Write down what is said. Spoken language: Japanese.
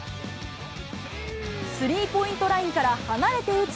スリーポイントラインから離れて打つ